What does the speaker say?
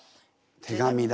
手紙だ。